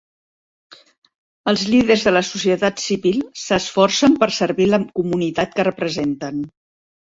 Els líders de la societat civil s'esforcen per servir la comunitat que representen.